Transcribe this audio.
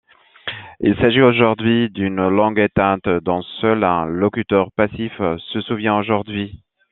Il s'agit aujourd'hui d'une langue éteinte, dont seul un locuteur passif se souvient aujourd'hui.